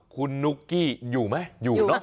คุณนุกกี้อยู่ไหมอยู่